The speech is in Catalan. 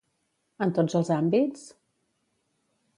En tots els àmbits?